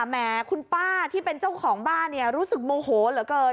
แหมคุณป้าที่เป็นเจ้าของบ้านรู้สึกโมโหเหลือเกิน